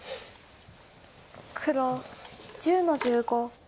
黒１０の十五。